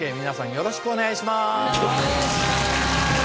よろしくお願いします！